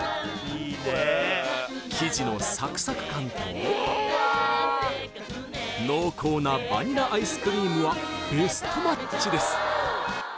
生地のサクサク感と濃厚なバニラアイスクリームはベストマッチです